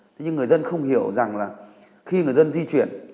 thế nhưng người dân không hiểu rằng là khi người dân di chuyển